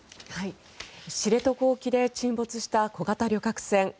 知床沖で沈没した小型旅客船「ＫＡＺＵ１」が